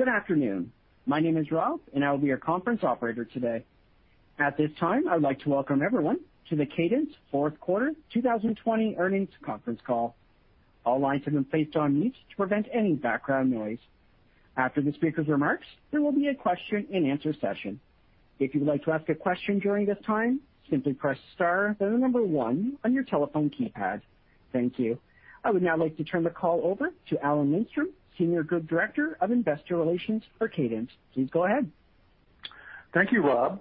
Good afternoon. My name is Rob, and I will be your conference operator today. At this time, I'd like to welcome everyone to the Cadence fourth quarter 2020 earnings conference call. All lines have been placed on mute to prevent any background noise. After the speaker's remarks, there will be a question-and-answer session. If you would like to ask a question during this time, simply press star, then the number one on your telephone keypad. Thank you. I would now like to turn the call over to Alan Lindstrom, Senior Group Director of Investor Relations for Cadence. Please go ahead. Thank you, Rob.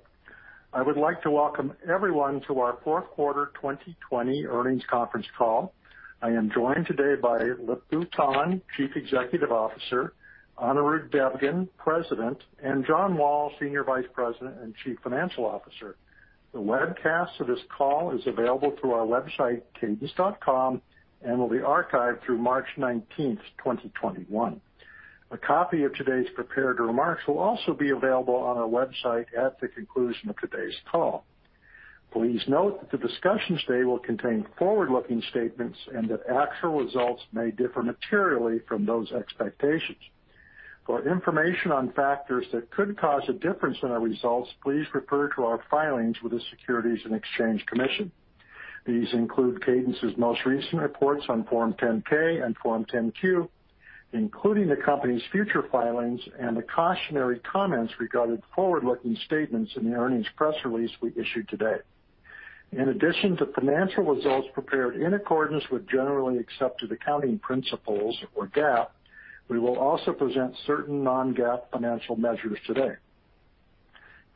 I would like to welcome everyone to our fourth quarter 2020 earnings conference call. I am joined today by Lip-Bu Tan, Chief Executive Officer, Anirudh Devgan, President, and John Wall, Senior Vice President and Chief Financial Officer. The webcast of this call is available through our website, cadence.com, and will be archived through March 19th, 2021. A copy of today's prepared remarks will also be available on our website at the conclusion of today's call. Please note that the discussion today will contain forward-looking statements, and that actual results may differ materially from those expectations. For information on factors that could cause a difference in our results, please refer to our filings with the Securities and Exchange Commission. These include Cadence's most recent reports on Form 10-K and Form 10-Q, including the company's future filings and the cautionary comments regarding forward-looking statements in the earnings press release we issued today. In addition to financial results prepared in accordance with generally accepted accounting principles or GAAP, we will also present certain non-GAAP financial measures today.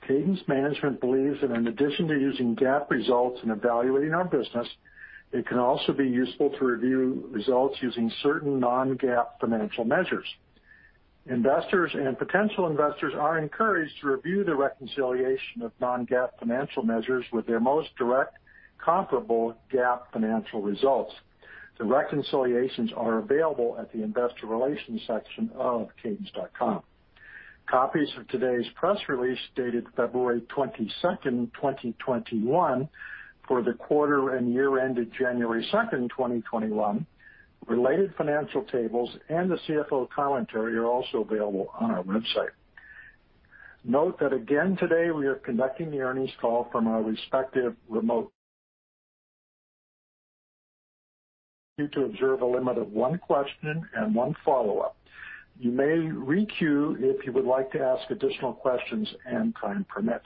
Cadence management believes that in addition to using GAAP results in evaluating our business, it can also be useful to review results using certain non-GAAP financial measures. Investors and potential investors are encouraged to review the reconciliation of non-GAAP financial measures with their most direct comparable GAAP financial results. The reconciliations are available at the investor relations section of cadence.com. Copies of today's press release, dated February 22nd, 2021, for the quarter and year-end of January 2nd, 2021, related financial tables, and the CFO commentary are also available on our website. Note that again today, we are conducting the earnings call from our respective remote. We need to observe a limit of one question and one follow-up. You may re-queue if you would like to ask additional questions and time permits.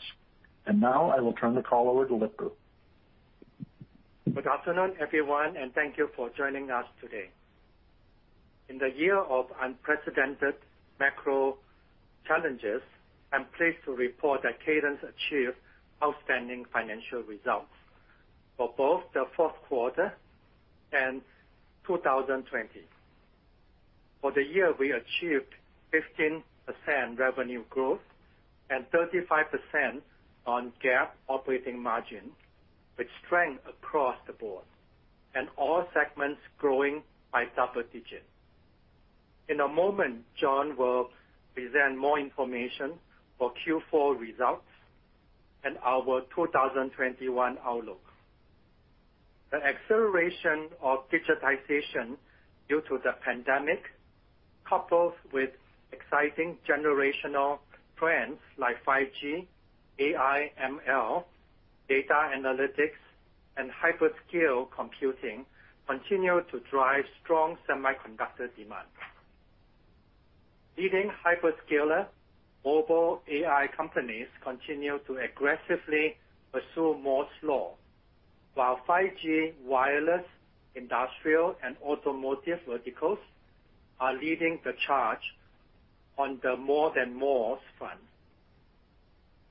Now I will turn the call over to Lip-Bu. Good afternoon, everyone. Thank you for joining us today. In the year of unprecedented macro challenges, I am pleased to report that Cadence achieved outstanding financial results for both the fourth quarter and 2020. For the year, we achieved 15% revenue growth and 35% on GAAP operating margin, with strength across the board and all segments growing by double digits. In a moment, John will present more information for Q4 results and our 2021 outlook. The acceleration of digitization due to the pandemic, coupled with exciting generational trends like 5G, AI, ML, data analytics, and hyperscale computing, continue to drive strong semiconductor demand. Leading hyperscaler mobile AI companies continue to aggressively pursue Moore's Law, while 5G wireless, industrial, and automotive verticals are leading the charge on the More than Moore's front.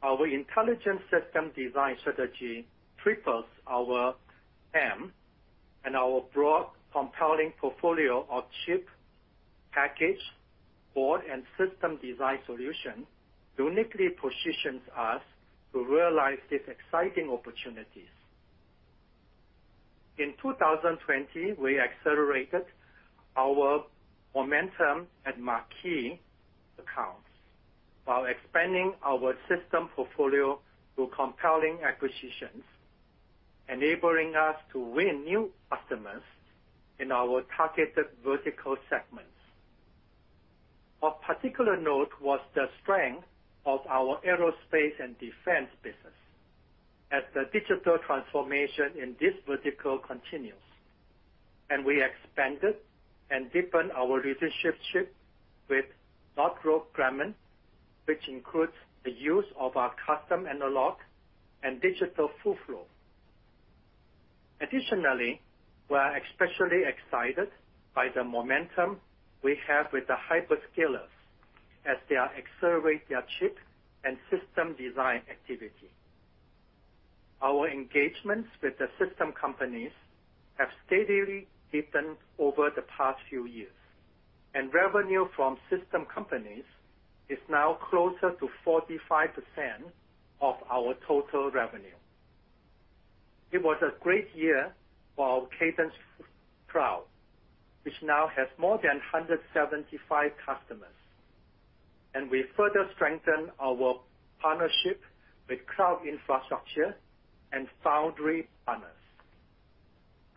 Our intelligence system design strategy triples our TAM and our broad compelling portfolio of chip, package, board, and system design solution uniquely positions us to realize these exciting opportunities. In 2020, we accelerated our momentum at marquee accounts while expanding our system portfolio through compelling acquisitions, enabling us to win new customers in our targeted vertical segments. Of particular note was the strength of our aerospace and defense business as the digital transformation in this vertical continues, and we expanded and deepened our relationship with Northrop Grumman, which includes the use of our custom analog and digital full flow. Additionally, we are especially excited by the momentum we have with the hyperscalers as they are accelerating their chip and system design activity. Our engagements with the system companies have steadily deepened over the past few years, and revenue from system companies is now closer to 45% of our total revenue. It was a great year for our Cadence Cloud, which now has more than 175 customers, and we further strengthened our partnership with cloud infrastructure and foundry partners.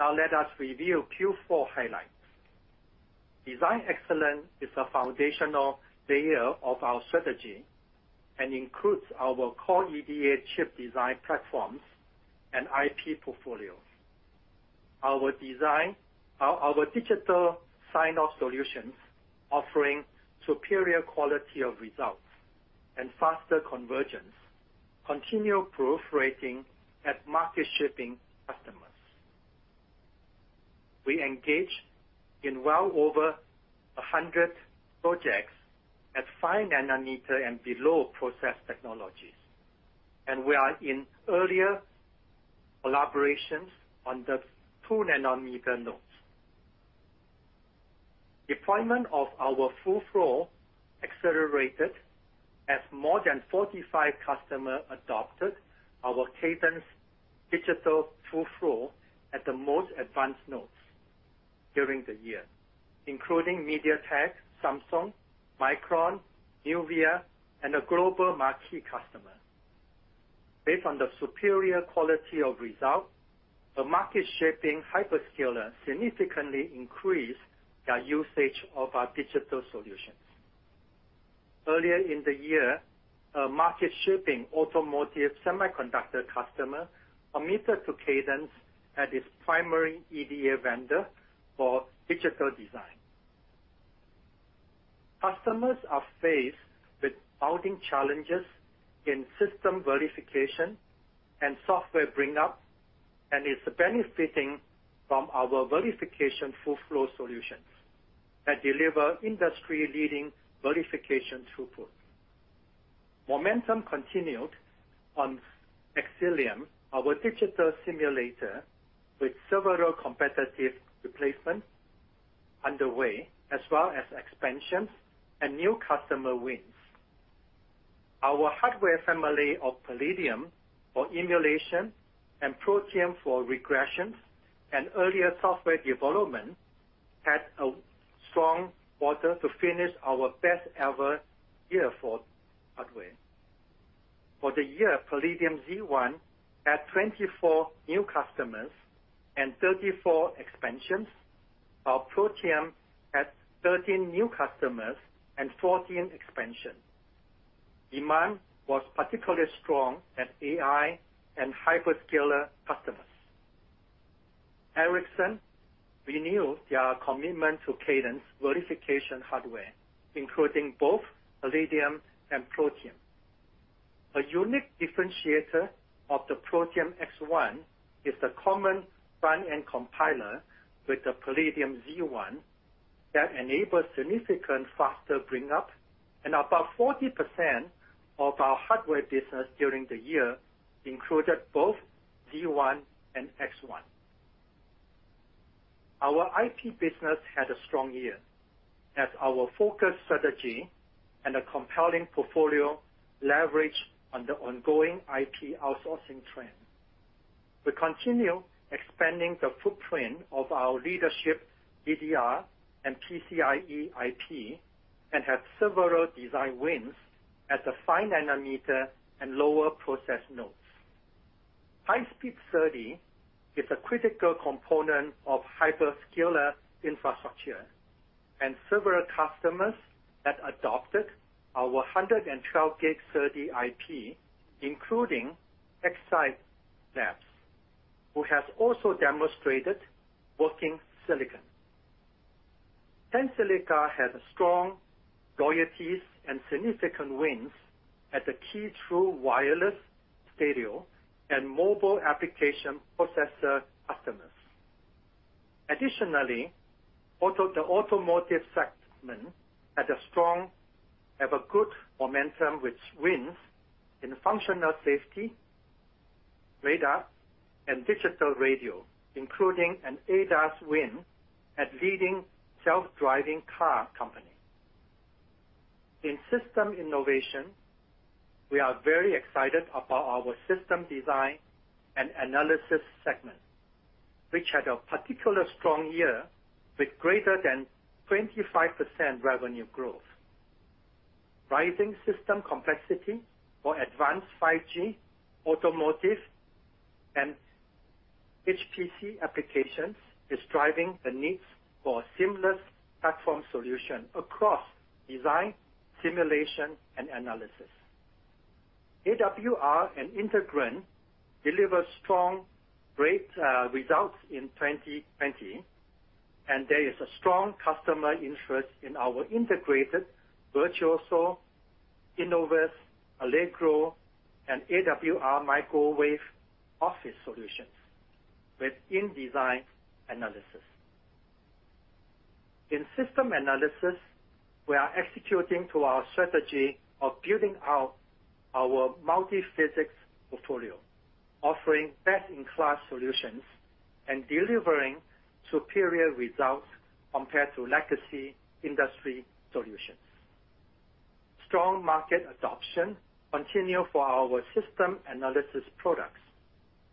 Let us review Q4 highlights. Design excellence is a foundational layer of our strategy and includes our core EDA chip design platforms and IP portfolio. Our digital sign-off solutions offering superior quality of results and faster convergence continue proliferating at market-shaping customers. We engaged in well over 100 projects at five nanometer and below process technologies. We are in early collaborations on the two nanometer nodes. Deployment of our full flow accelerated as more than 45 customers adopted our Cadence digital full flow at the most advanced nodes during the year, including MediaTek, Samsung, Micron, NUVIA, and a global marquee customer. Based on the superior quality of results, the market-shaping hyperscaler significantly increased their usage of our digital solutions. Earlier in the year, a market-shaping automotive semiconductor customer committed to Cadence as its primary EDA vendor for digital design. Customers are faced with mounting challenges in system verification and software bring-up, and is benefiting from our verification full flow solutions that deliver industry-leading verification throughput. Momentum continued on Xcelium, our digital simulator, with several competitive replacements underway, as well as expansions and new customer wins. Our hardware family of Palladium for emulation and Protium for regressions and earlier software development had a strong quarter to finish our best ever year for hardware. For the year, Palladium Z1 had 24 new customers and 34 expansions, while Protium had 13 new customers and 14 expansions. Demand was particularly strong at AI and hyperscaler customers. Ericsson renewed their commitment to Cadence verification hardware, including both Palladium and Protium. A unique differentiator of the Protium X1 is the common front-end compiler with the Palladium Z1 that enables significantly faster bring-up and about 40% of our hardware business during the year included both Z1 and X1. Our IP business had a strong year, as our focus strategy and a compelling portfolio leveraged on the ongoing IP outsourcing trend. We continue expanding the footprint of our leadership DDR and PCIe IP and have several design wins at the 5 nm and lower process nodes. Several customers have adopted our 112G SerDes IP, including Xsight Labs, who has also demonstrated working silicon. Tensilica has strong royalties and significant wins at the key true wireless stereo and mobile application processor customers. Additionally, the automotive segment had good momentum, with wins in functional safety, radar, and digital radio, including an ADAS win at leading self-driving car company. In system innovation, we are very excited about our system design and analysis segment, which had a particularly strong year with greater than 25% revenue growth. Rising system complexity for advanced 5G, automotive, and HPC applications is driving the need for seamless platform solution across design, simulation, and analysis. AWR and Integrand delivered strong, great results in 2020, and there is a strong customer interest in our integrated Virtuoso, Innovus, Allegro, and AWR Microwave Office solutions with in-design analysis. In system analysis, we are executing to our strategy of building out our multi-physics portfolio, offering best-in-class solutions and delivering superior results compared to legacy industry solutions. Strong market adoption continue for our system analysis products,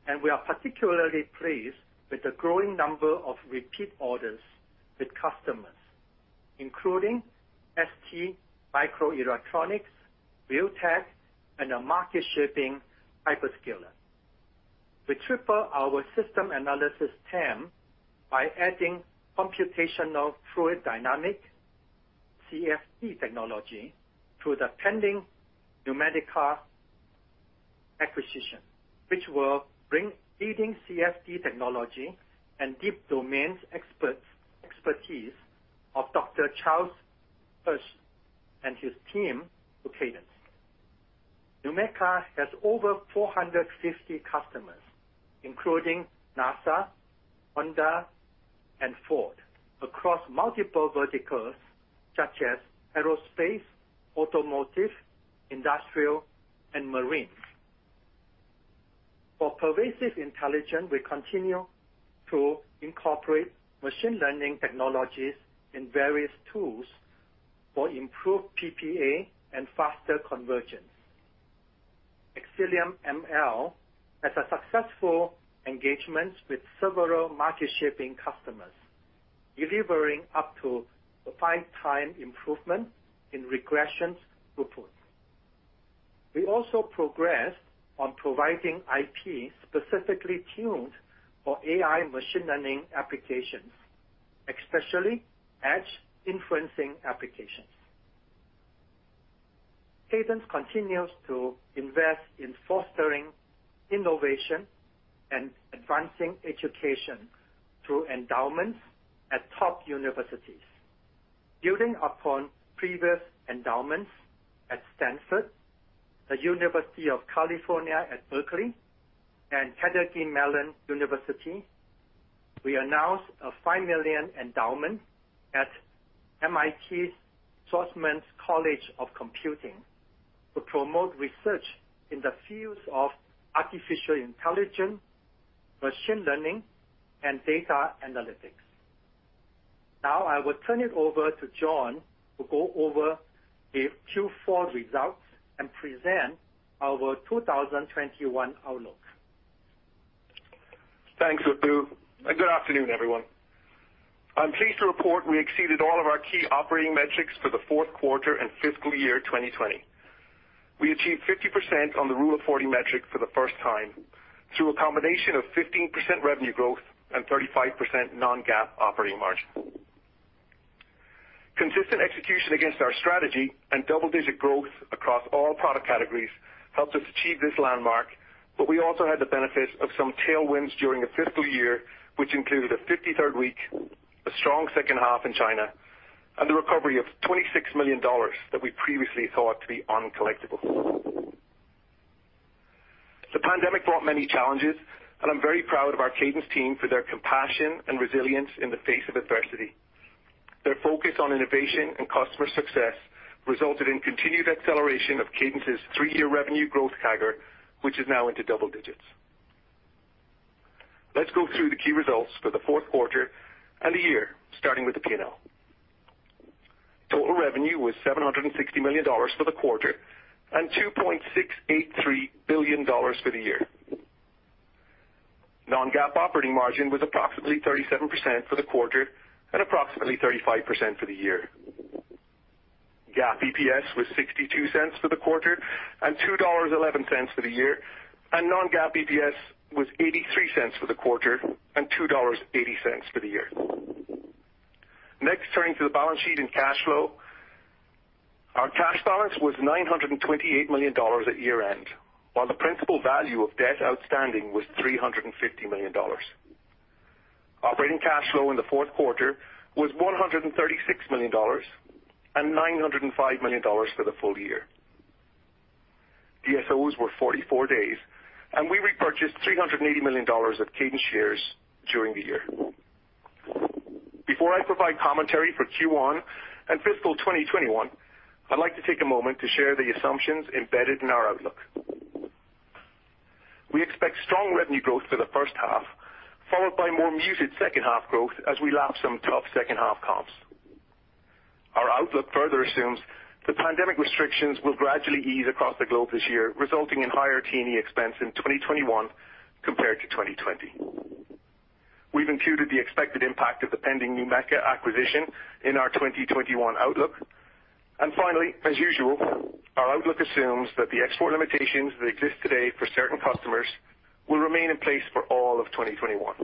and we are particularly pleased with the growing number of repeat orders with customers, including STMicroelectronics, Virtex, and a market-shaping hyperscaler. We triple our system analysis TAM by adding computational fluid dynamics, CFD technology, through the pending NUMECA acquisition, which will bring leading CFD technology and deep domains expertise of Dr. Charles Hirsch and his team to Cadence. NUMECA has over 450 customers, including NASA, Honda, and Ford, across multiple verticals such as aerospace, automotive, industrial, and marine. For pervasive intelligence, we continue to incorporate machine learning technologies in various tools for improved PPA and faster convergence. Xcelium ML has a successful engagement with several market-shaping customers, delivering up to a five-time improvement in regressions throughput. We also progress on providing IP specifically tuned for AI machine learning applications, especially edge inferencing applications. Cadence continues to invest in fostering innovation and advancing education through endowments at top universities. Building upon previous endowments at Stanford, the University of California, Berkeley, and Carnegie Mellon University, we announced a $5 million endowment at MIT Schwarzman College of Computing to promote research in the fields of artificial intelligence, machine learning, and data analytics. Now, I will turn it over to John to go over the Q4 results and present our 2021 outlook. Thanks, Lip-Bu, and good afternoon, everyone. I'm pleased to report we exceeded all of our key operating metrics for the fourth quarter and fiscal year 2020. We achieved 50% on the Rule of 40 metric for the first time through a combination of 15% revenue growth and 35% non-GAAP operating margin. Consistent execution against our strategy and double-digit growth across all product categories helped us achieve this landmark, but we also had the benefit of some tailwinds during the fiscal year, which included a 53rd week, a strong second half in China, and the recovery of $26 million that we previously thought to be uncollectible. The pandemic brought many challenges, and I'm very proud of our Cadence team for their compassion and resilience in the face of adversity. Their focus on innovation and customer success resulted in continued acceleration of Cadence's three-year revenue growth CAGR, which is now into double digits. Let's go through the key results for the fourth quarter and the year, starting with the P&L. Total revenue was $760 million for the quarter and $2.683 billion for the year. Non-GAAP operating margin was approximately 37% for the quarter and approximately 35% for the year. GAAP EPS was $0.62 for the quarter and $2.11 for the year, and non-GAAP EPS was $0.83 for the quarter and $2.80 for the year. Next, turning to the balance sheet and cash flow. Our cash balance was $928 million at year-end, while the principal value of debt outstanding was $350 million. Operating cash flow in the fourth quarter was $136 million and $905 million for the full year. DSOs were 44 days, and we repurchased $380 million of Cadence shares during the year. Before I provide commentary for Q1 and fiscal 2021, I'd like to take a moment to share the assumptions embedded in our outlook. We expect strong revenue growth for the first half, followed by more muted second half growth as we lap some tough second half comps. Our outlook further assumes the pandemic restrictions will gradually ease across the globe this year, resulting in higher T&E expense in 2021 compared to 2020. We've included the expected impact of the pending NUMECA acquisition in our 2021 outlook. Finally, as usual, our outlook assumes that the export limitations that exist today for certain customers will remain in place for all of 2021.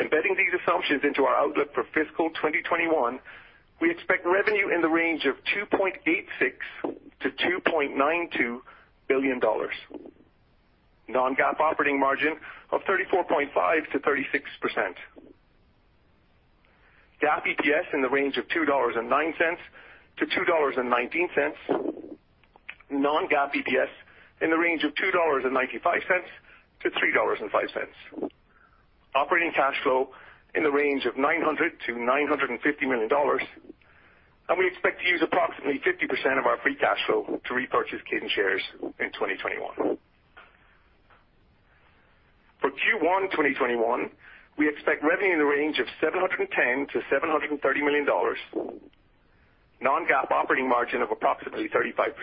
Embedding these assumptions into our outlook for fiscal 2021, we expect revenue in the range of $2.86 billion-$2.92 billion. Non-GAAP operating margin of 34.5%-36%. GAAP EPS in the range of $2.09-$2.19. Non-GAAP EPS in the range of $2.95-$3.05. Operating cash flow in the range of $900 million-$950 million. We expect to use approximately 50% of our free cash flow to repurchase Cadence shares in 2021. For Q1 2021, we expect revenue in the range of $710 million-$730 million. Non-GAAP operating margin of approximately 35%.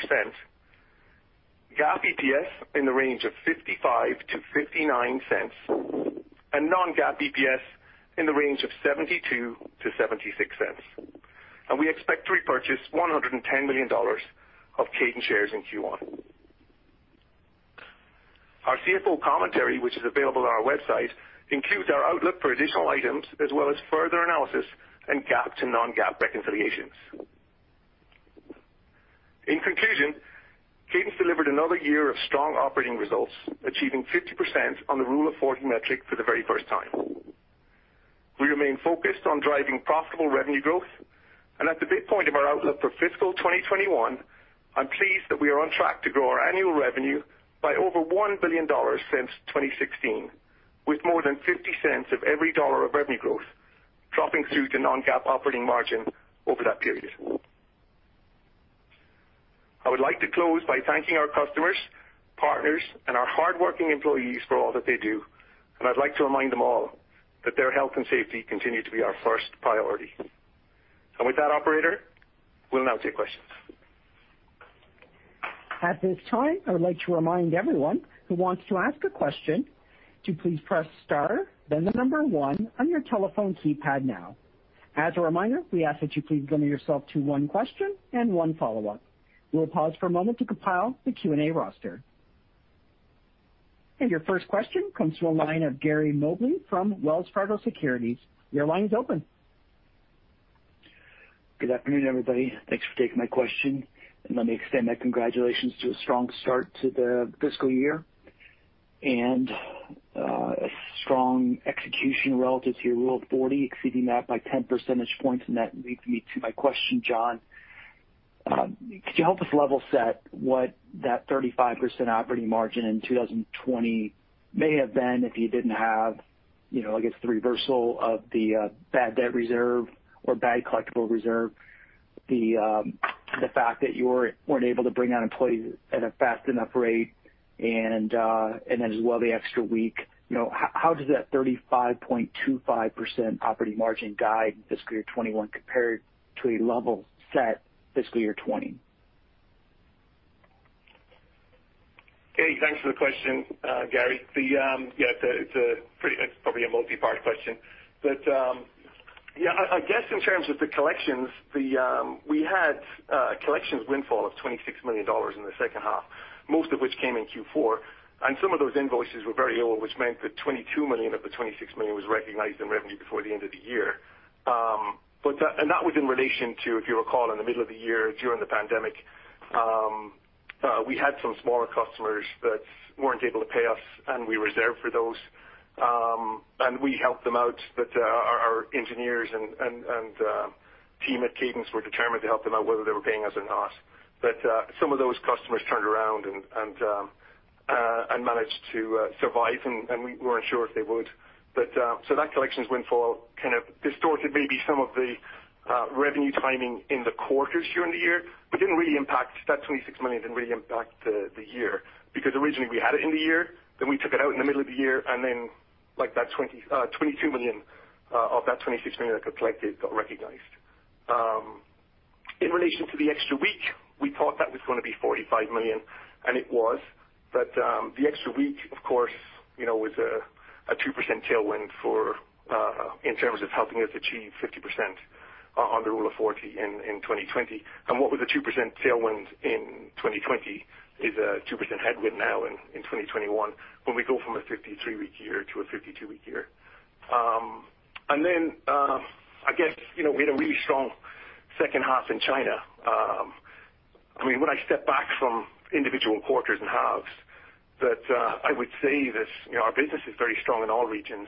GAAP EPS in the range of $0.55-$0.59, and non-GAAP EPS in the range of $0.72-$0.76. We expect to repurchase $110 million of Cadence shares in Q1. Our CFO commentary, which is available on our website, includes our outlook for additional items as well as further analysis and GAAP to non-GAAP reconciliations. In conclusion, Cadence delivered another year of strong operating results, achieving 50% on the Rule of 40 metric for the very first time. We remain focused on driving profitable revenue growth, at the midpoint of our outlook for fiscal 2021, I'm pleased that we are on track to grow our annual revenue by over $1 billion since 2016, with more than $0.50 of every dollar of revenue growth dropping through to non-GAAP operating margin over that period. I would like to close by thanking our customers, partners, and our hardworking employees for all that they do, I'd like to remind them all that their health and safety continue to be our first priority. With that operator, we'll now take questions. At this time, I would like to remind everyone who wants to ask a question to please press star, then the one on your telephone keypad now. As a reminder, we ask that you please limit yourself to one question and one follow-up. We will pause for a moment to compile the Q&A roster. Your first question comes from the line of Gary Mobley from Wells Fargo Securities. Your line is open. Good afternoon, everybody. Thanks for taking my question. Let me extend my congratulations to a strong start to the fiscal year and a strong execution relative to your Rule of 40, exceeding that by 10 percentage points. That leads me to my question, John. Could you help us level set what that 35% operating margin in 2020 may have been if you didn't have, I guess, the reversal of the bad debt reserve or bad collectible reserve, the fact that you weren't able to bring on employees at a fast enough rate, and then as well, the extra week. How does that 35.25% operating margin guide in fiscal year 2021 compare to a level set fiscal year 2020? Okay. Thanks for the question, Gary. I guess in terms of the collections, we had a collections windfall of $26 million in the second half, most of which came in Q4, and some of those invoices were very ill, which meant that $22 million of the $26 million was recognized in revenue before the end of the year. That was in relation to, if you recall, in the middle of the year during the pandemic, we had some smaller customers that weren't able to pay us, and we reserved for those. We helped them out, our engineers and team at Cadence were determined to help them out whether they were paying us or not. Some of those customers turned around and managed to survive, and we weren't sure if they would. That collections windfall kind of distorted maybe some of the revenue timing in the quarters during the year, that $26 million didn't really impact the year because originally we had it in the year, then we took it out in the middle of the year, and then that $22 million of that $26 million that got collected got recognized. In relation to the extra week, we thought that was going to be $45 million, and it was. The extra week, of course, was a 2% tailwind in terms of helping us achieve 50% on the Rule of 40 in 2020. What was a 2% tailwind in 2020 is a 2% headwind now in 2021 when we go from a 53-week year to a 52-week year. I guess we had a really strong second half in China. When I step back from individual quarters and halves, I would say that our business is very strong in all regions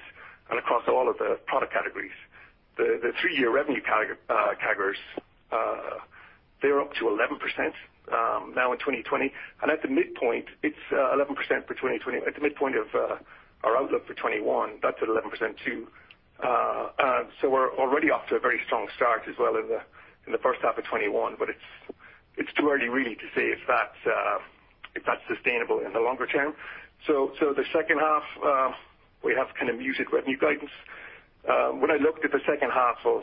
and across all of the product categories. The three-year revenue CAGRs, they're up to 11% now in 2020, and at the midpoint of our outlook for 2021, that's at 11% too. We're already off to a very strong start as well in the first half of 2021, but it's too early really to say if that's sustainable in the longer term. The second half, we have kind of muted revenue guidance. When I looked at the second half of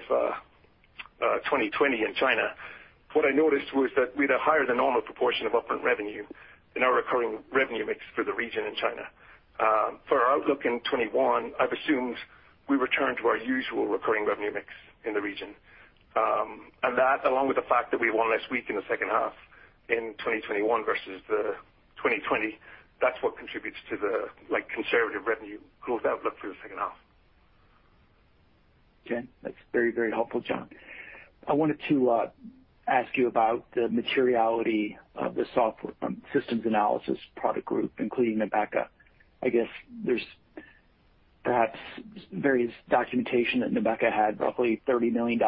2020 in China, what I noticed was that we had a higher than normal proportion of upfront revenue in our recurring revenue mix for the region in China. For our outlook in 2021, I've assumed we return to our usual recurring revenue mix in the region. That, along with the fact that we have one less week in the second half in 2021 versus 2020, that's what contributes to the conservative revenue growth outlook for the second half. Okay. That's very helpful, John. I wanted to ask you about the materiality of the systems analysis product group, including NUMECA. I guess there's perhaps various documentation that NUMECA had roughly $30 million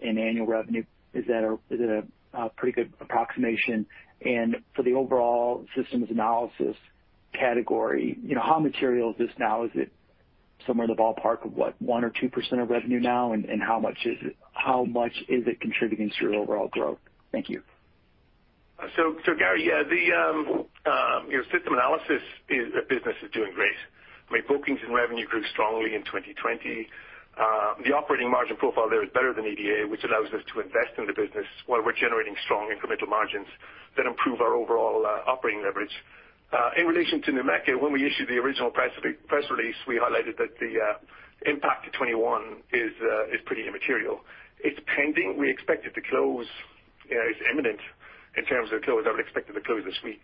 in annual revenue. Is that a pretty good approximation? For the overall systems analysis category, how material is this now? Is it somewhere in the ballpark of what? 1% or 2% of revenue now, and how much is it contributing to your overall growth? Thank you. System analysis business is doing great. Bookings and revenue grew strongly in 2020. The operating margin profile there is better than EDA, which allows us to invest in the business while we're generating strong incremental margins that improve our overall operating leverage. In relation to NUMECA, when we issued the original press release, we highlighted that the impact to 2021 is pretty immaterial. It's pending. We expect it to close. It's imminent in terms of close. I would expect it to close this week.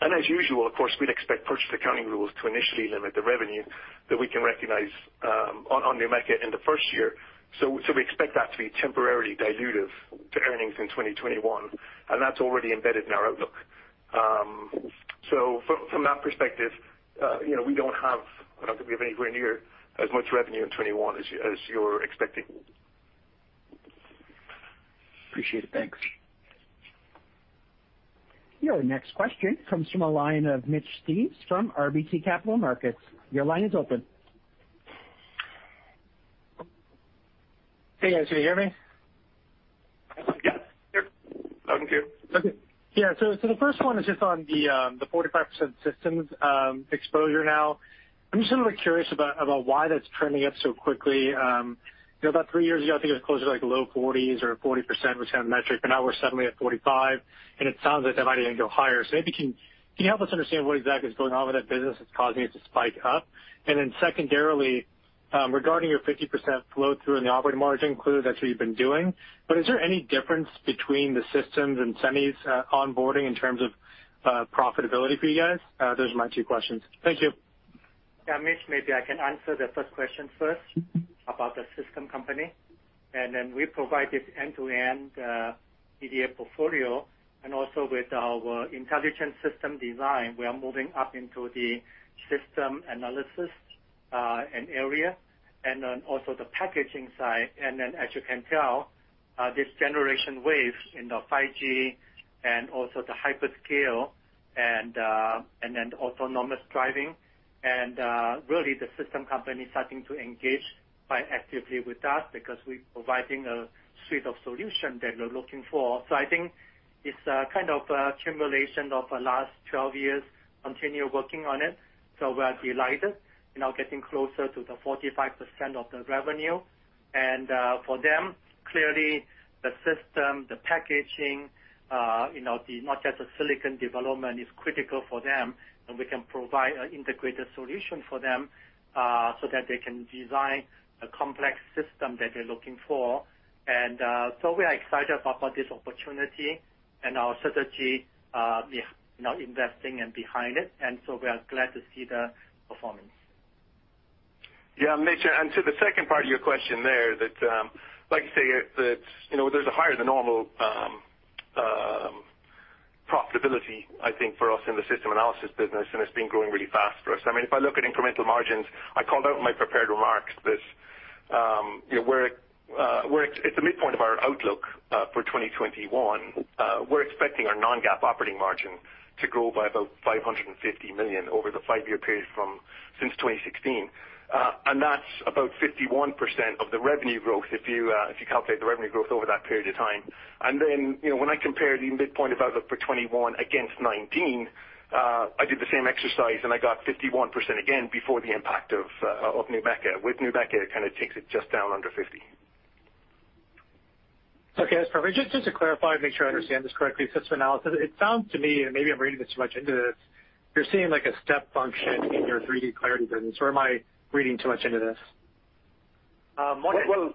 As usual, of course, we'd expect purchase accounting rules to initially limit the revenue that we can recognize on NUMECA in the first year. We expect that to be temporarily dilutive to earnings in 2021, and that's already embedded in our outlook. From that perspective, we don't have anywhere near as much revenue in 2021 as you're expecting. Appreciate it. Thanks. Your next question comes from the line of Mitch Steves from RBC Capital Markets. Your line is open. Hey, guys. Can you hear me? Yes. Yes. Loud and clear. The first one is just on the 45% systems exposure now. I'm just a little curious about why that's trending up so quickly. About three years ago, I think it was closer to low 40s or 40%, which kind of metric, but now we're suddenly at 45, and it sounds like that might even go higher. Maybe can you help us understand what exactly is going on with that business that's causing it to spike up? Secondarily, regarding your 50% flow-through in the operating margin, clearly that's what you've been doing, but is there any difference between the systems and semis onboarding in terms of profitability for you guys? Those are my two questions. Thank you. Yeah, Mitch, maybe I can answer the first question first about the system company. We provide this end-to-end EDA portfolio, and also with our intelligent system design, we are moving up into the system analysis and area, and then also the packaging side. As you can tell, this generation wave in the 5G and also the hyperscale and then autonomous driving, and really the system company starting to engage quite actively with us because we're providing a suite of solution that they're looking for. I think it's kind of a accumulation of the last 12 years, continue working on it. We are delighted getting closer to the 45% of the revenue. For them, clearly the system, the packaging, not just the silicon development is critical for them, and we can provide an integrated solution for them, so that they can design a complex system that they're looking for. We are excited about this opportunity and our strategy. We are now investing and behind it, and so we are glad to see the performance. Yeah, Mitch, to the second part of your question there that, like you say, there's a higher-than-normal profitability, I think, for us in the system analysis business, and it's been growing really fast for us. If I look at incremental margins, I called out in my prepared remarks this. At the midpoint of our outlook for 2021, we're expecting our non-GAAP operating margin to grow by about $550 million over the five-year period since 2016. That's about 51% of the revenue growth if you calculate the revenue growth over that period of time. Then, when I compare the midpoint of outlook for 2021 against 2019, I did the same exercise, and I got 51% again before the impact of NUMECA. With NUMECA, it kind of takes it just down under 50%. That's perfect. Just to clarify, make sure I understand this correctly. System analysis, it sounds to me, and maybe I'm reading too much into this, you're seeing like a step function in your 3D Clarity business, or am I reading too much into this? More than- Well-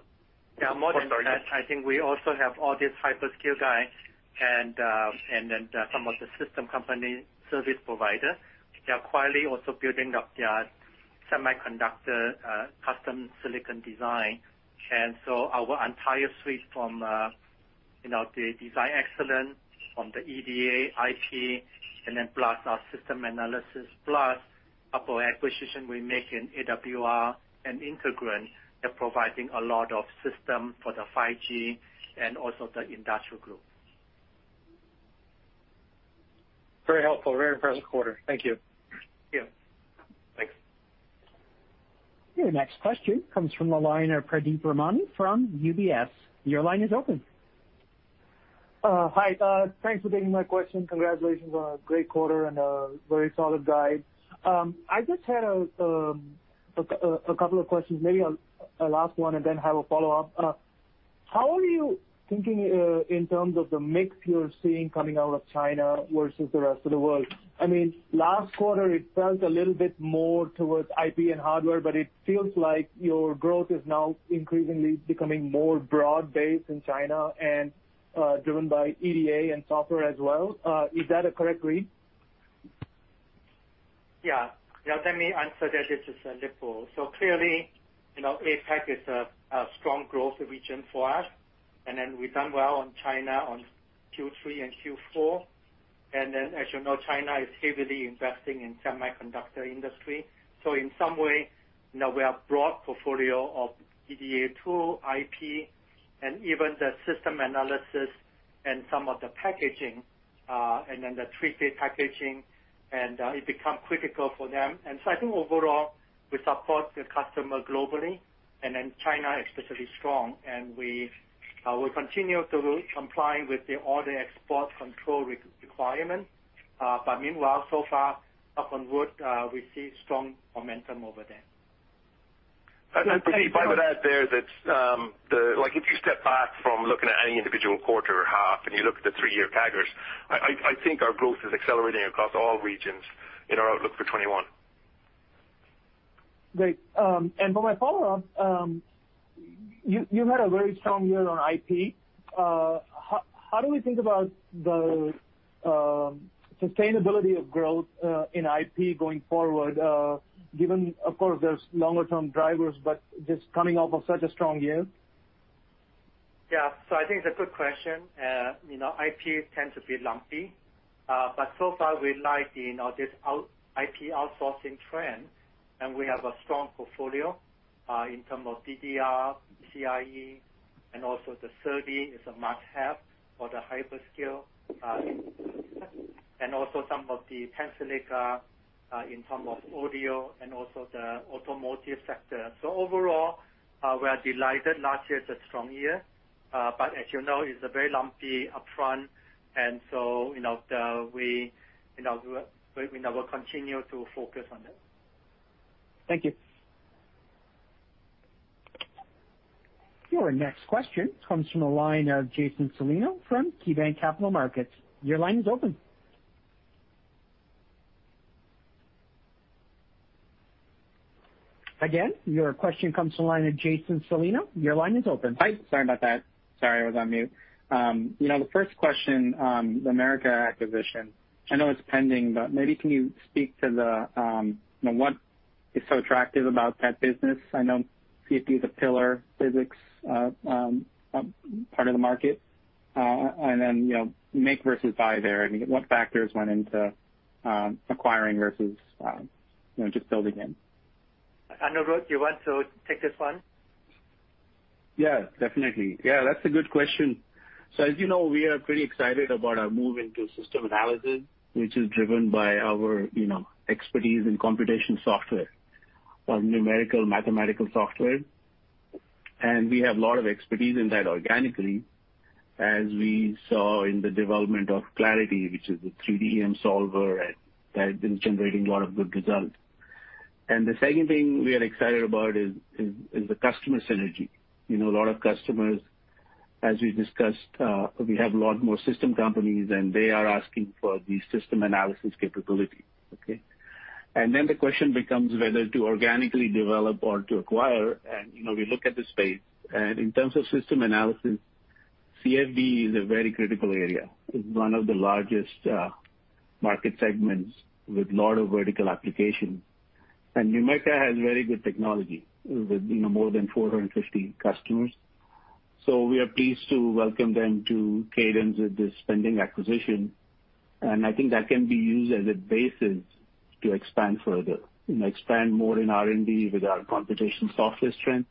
Yeah, more than that. Oh, sorry. I think we also have all these hyperscale guys and then some of the system company service provider. They are quietly also building up their semiconductor custom silicon design. Our entire suite from the design excellence from the EDA IP, plus our system analysis, plus our acquisition we make in AWR and Integrand, they're providing a lot of system for the 5G and also the industrial group. Very helpful. Very impressive quarter. Thank you. Thank you. Thanks. Your next question comes from the line of Pradeep Ramani from UBS. Your line is open. Hi. Thanks for taking my question. Congratulations on a great quarter and a very solid guide. I just had a couple of questions. Maybe I'll ask one and then have a follow-up. How are you thinking in terms of the mix you're seeing coming out of China versus the rest of the world? Last quarter, it felt a little bit more towards IP and hardware, but it feels like your growth is now increasingly becoming more broad-based in China and driven by EDA and software as well. Is that a correct read? Yeah. Let me answer that. This is Lip-Bu. Clearly, APAC is a strong growth region for us. We've done well in China in Q3 and Q4. As you know, China is heavily investing in semiconductor industry. In some way, we have broad portfolio of EDA tool, IP, and even the system analysis and some of the packaging, the 3D packaging. It become critical for them. I think overall, we support the customer globally. China is especially strong. We will continue to comply with all the export control requirements. Meanwhile, so far, knock on wood, we see strong momentum over there. Pradeep, if I could add there that if you step back from looking at any individual quarter or half, and you look at the three-year CAGRs, I think our growth is accelerating across all regions in our outlook for 2021. Great. For my follow-up, you had a very strong year on IP. How do we think about the sustainability of growth in IP going forward given, of course, there's longer-term drivers, but just coming off of such a strong year? I think it's a good question. IP tends to be lumpy. So far, we like this IP outsourcing trend, and we have a strong portfolio in terms of DDR, PCIe, and also the SerDes is a must-have for the hyperscale. Some of the Tensilica in terms of audio and also the automotive sector. Overall, we are delighted. Last year is a strong year. As you know, it's very lumpy upfront, we now will continue to focus on that. Thank you. Your next question comes from the line of Jason Celino from KeyBanc Capital Markets. Your line is open. Your question comes from the line of Jason Celino. Your line is open. Hi, sorry about that. Sorry, I was on mute. The first question, the NUMECA acquisition. I know it's pending, but maybe can you speak to what is so attractive about that business? I know CFD is a pillar physics part of the market. Make versus buy there. I mean, what factors went into acquiring versus just building in? Anirudh, do you want to take this one? Yeah, definitely. Yeah, that's a good question. As you know, we are pretty excited about our move into system analysis, which is driven by our expertise in computation software, numerical mathematical software. We have a lot of expertise in that organically, as we saw in the development of Clarity, which is the 3D EM solver, and that has been generating a lot of good results. The second thing we are excited about is the customer synergy. A lot of customers, as we discussed, we have a lot more system companies, and they are asking for the system analysis capability. Okay. The question becomes whether to organically develop or to acquire. We look at the space, and in terms of system analysis, CFD is a very critical area. It's one of the largest market segments with lot of vertical application. NUMECA has very good technology with more than 450 customers. We are pleased to welcome them to Cadence with this pending acquisition. I think that can be used as a basis to expand further. Expand more in R&D with our computation software strength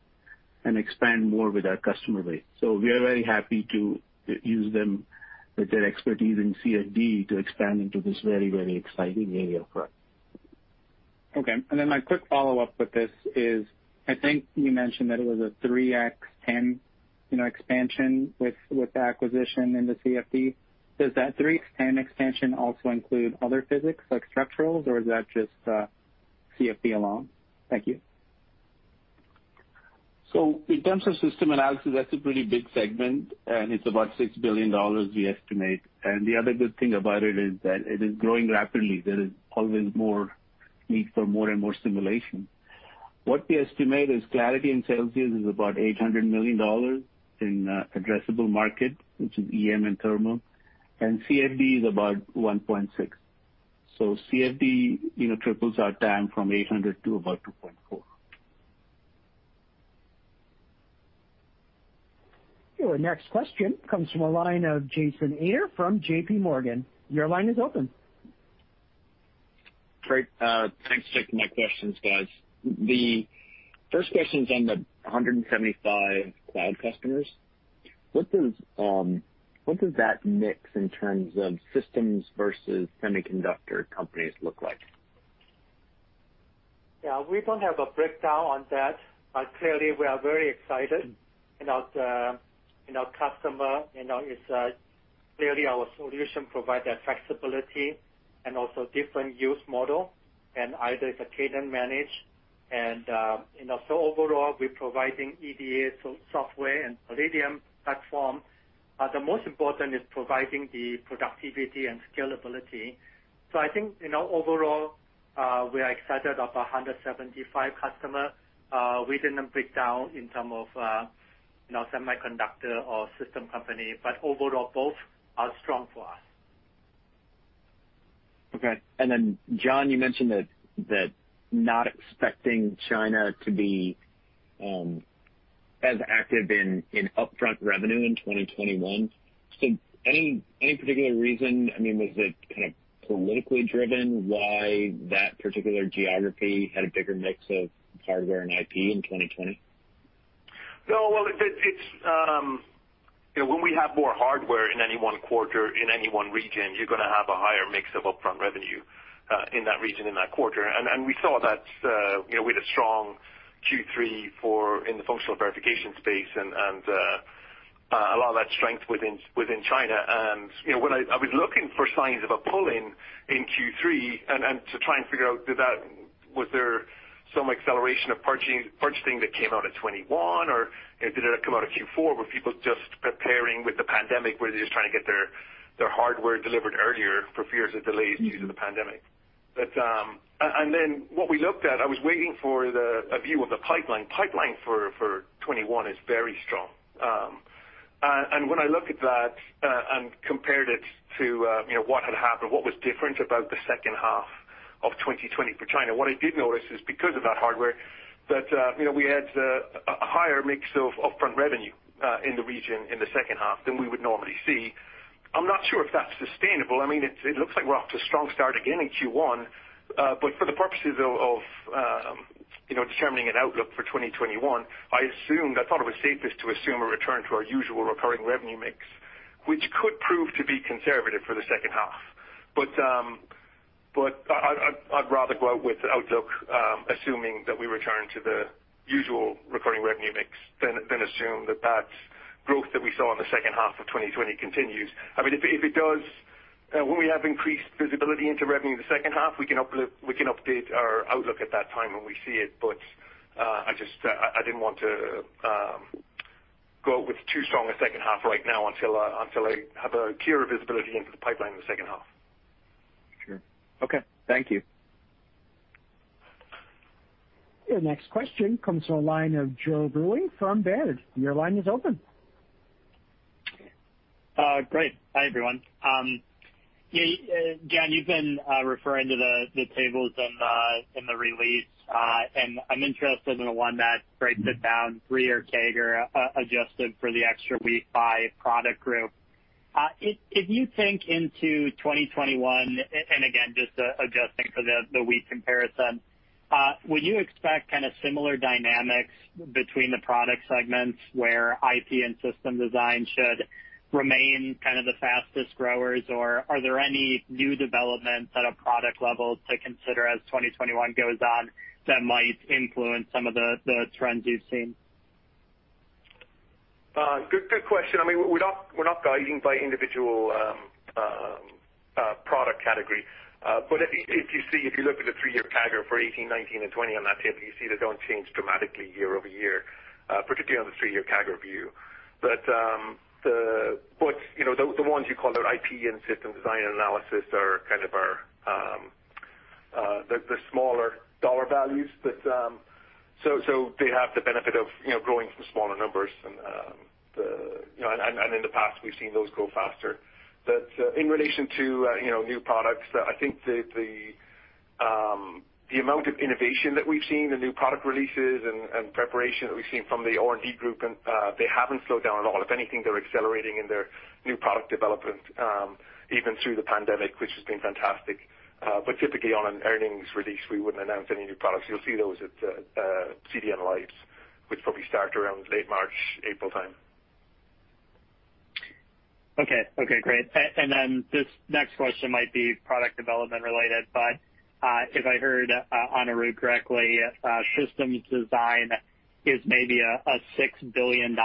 and expand more with our customer base. We are very happy to use them with their expertise in CFD to expand into this very exciting area for us. Okay. My quick follow-up with this is, I think you mentioned that it was a 3x10 expansion with the acquisition in the CFD. Does that 3x10 expansion also include other physics, like structurals, or is that just CFD alone? Thank you. In terms of system analysis, that's a pretty big segment, and it's about $6 billion, we estimate. The other good thing about it is that it is growing rapidly. There is always more need for more and more simulation. What we estimate is Clarity and Celsius is about $800 million in addressable market, which is EM and thermal, and CFD is about $1.6 billion. CFD triples our TAM from $800 million to about $2.4 billion. Your next question comes from a line of Jackson Ader from JPMorgan. Your line is open. Great. Thanks for taking my questions, guys. The first question is on the 175 cloud customers. What does that mix in terms of systems versus semiconductor companies look like? We don't have a breakdown on that. Clearly, we are very excited in our customer. Clearly, our solution provide that flexibility and also different use models, and either it's a Cadence managed. Overall, we're providing EDA software and Palladium platform. The most important is providing the productivity and scalability. I think, overall, we are excited of 175 customers. We didn't break down in terms of semiconductor or system company, but overall, both are strong for us. Okay. John, you mentioned that not expecting China to be as active in upfront revenue in 2021. Any particular reason? I mean, was it politically driven why that particular geography had a bigger mix of hardware and IP in 2020? No. When we have more hardware in any one quarter, in any one region, you're going to have a higher mix of upfront revenue, in that region, in that quarter. We saw that with a strong Q3 in the functional verification space and a lot of that strength within China. I was looking for signs of a pull-in in Q3 and to try and figure out was there some acceleration of purchasing that came out at 2021, or did it come out of Q4? Were people just preparing with the pandemic, were they just trying to get their hardware delivered earlier for fears of delays due to the pandemic? What we looked at, I was waiting for a view of the pipeline. Pipeline for 2021 is very strong. When I look at that, and compared it to what had happened, what was different about the second half of 2020 for China, what I did notice is because of that hardware, that we had a higher mix of upfront revenue in the region in the second half than we would normally see. I'm not sure if that's sustainable. It looks like we're off to a strong start again in Q1. For the purposes of determining an outlook for 2021, I thought it was safest to assume a return to our usual recurring revenue mix, which could prove to be conservative for the second half. I'd rather go out with the outlook, assuming that we return to the usual recurring revenue mix than assume that that growth that we saw in the second half of 2020 continues. If it does, when we have increased visibility into revenue in the second half, we can update our outlook at that time when we see it. I didn't want to go out with too strong a second half right now until I have a clearer visibility into the pipeline in the second half. Sure. Okay. Thank you. Your next question comes from the line of Joe Vruwink from Baird. Your line is open. Great. Hi, everyone. John, you've been referring to the tables in the release. I'm interested in the one that breaks it down three-year CAGR, adjusted for the extra week by product group. If you think into 2021, and again, just adjusting for the week comparison, would you expect kind of similar dynamics between the product segments where IP and system design should remain kind of the fastest growers? Are there any new developments at a product level to consider as 2021 goes on that might influence some of the trends you've seen? Good question. We're not guiding by individual product category. If you look at the three-year CAGR for 2018, 2019, and 2020 on that table, you see they don't change dramatically year-over-year, particularly on the three-year CAGR view. The ones you call the IP and system design and analysis are kind of the smaller dollar values, so they have the benefit of growing from smaller numbers and in the past, we've seen those grow faster. In relation to new products, I think the amount of innovation that we've seen, the new product releases and preparation that we've seen from the R&D group, and they haven't slowed down at all. If anything, they're accelerating in their new product development, even through the pandemic, which has been fantastic. Typically, on an earnings release, we wouldn't announce any new products. You'll see those at CDNLives, which probably start around late March, April time. Okay. Great. This next question might be product development related, but if I heard Anirudh correctly, systems design is maybe a $6 billion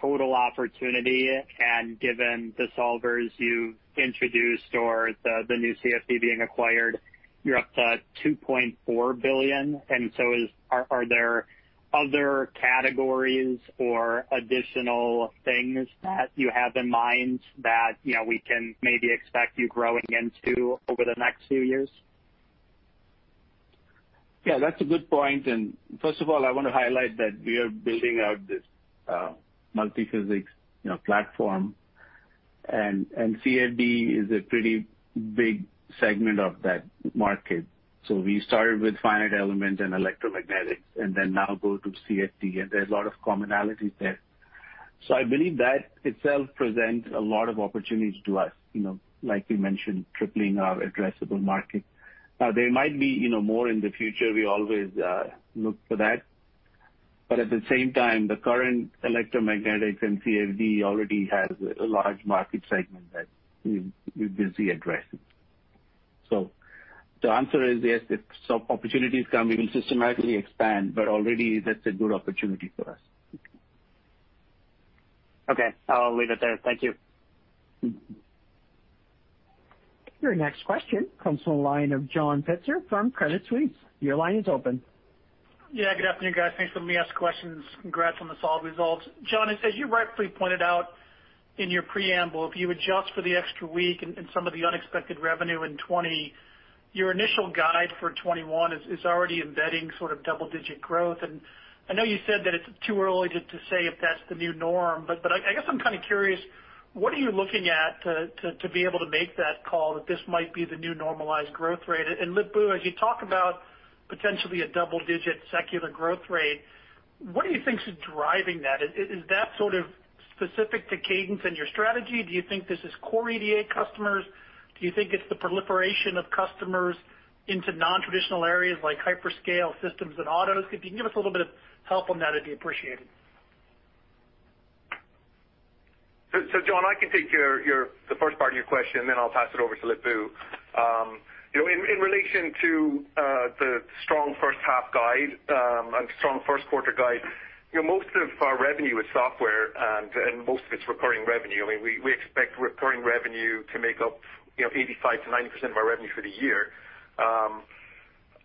total opportunity, and given the solvers you've introduced or the new CFD being acquired, you're up to $2.4 billion. Are there other categories or additional things that you have in mind that we can maybe expect you growing into over the next few years? Yeah, that's a good point. First of all, I want to highlight that we are building out this multi-physics platform, and CFD is a pretty big segment of that market. We started with finite element and electromagnetics, and then now go to CFD, and there's a lot of commonalities there. I believe that itself presents a lot of opportunities to us, like we mentioned, tripling our addressable market. There might be more in the future. We always look for that. At the same time, the current electromagnetics and CFD already has a large market segment that we're busy addressing. The answer is yes, if some opportunities come, we will systematically expand, but already that's a good opportunity for us. Okay. I'll leave it there. Thank you. Your next question comes from the line of John Pitzer from Credit Suisse. Your line is open. Yeah, good afternoon, guys. Thanks for letting me ask questions. Congrats on the solid results. John, as you rightfully pointed out in your preamble, if you adjust for the extra week and some of the unexpected revenue in 2020, your initial guide for 2021 is already embedding sort of double-digit growth. I know you said that it's too early to say if that's the new norm, but I guess I'm kind of curious, what are you looking at to be able to make that call that this might be the new normalized growth rate? Lip-Bu, as you talk about potentially a double-digit secular growth rate, what do you think is driving that? Specific to Cadence and your strategy, do you think this is core EDA customers? Do you think it's the proliferation of customers into non-traditional areas like hyperscale systems and autos? If you can give us a little bit of help on that, it would be appreciated. John, I can take the first part of your question, then I'll pass it over to Lip-Bu. In relation to the strong first half guide and strong first quarter guide, most of our revenue is software and most of it's recurring revenue. We expect recurring revenue to make up 85%-90% of our revenue for the year.